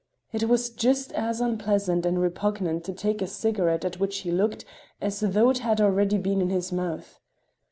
It was just as unpleasant and repugnant to take a cigarette at which he looked, as though it had already been in his mouth.